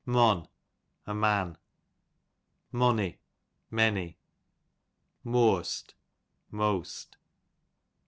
Mon, a man. Monny, many. Mooast, most.